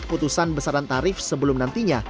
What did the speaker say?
putusan besaran tarif sebelum nantinya